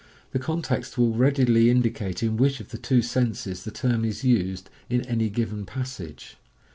The con text will readily indicate in which of the two senses the term is used in any given passage.